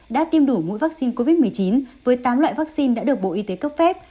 đã tiêm đủ mũi vaccine covid một mươi chín với tám loại vaccine đã được bộ y tế cấp phép